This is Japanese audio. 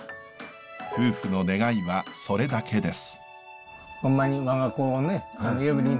夫婦の願いはそれだけです。